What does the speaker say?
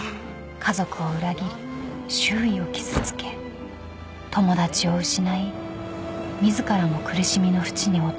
［家族を裏切り周囲を傷つけ友達を失い自らも苦しみの淵に落とす罪］